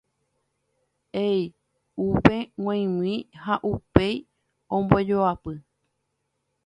e'i upe g̃uaig̃ui ha upéi ombojoapy